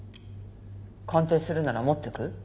鑑定するなら持ってく？